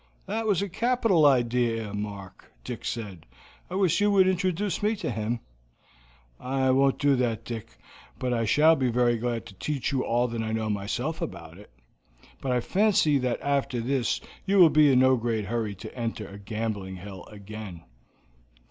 "That was a capital idea, Mark," Dick said. "I wish you would introduce me to him." "I won't do that, Dick, but I shall be very glad to teach you all I know myself about it; but I fancy that after this you will be in no great hurry to enter a gambling hell again."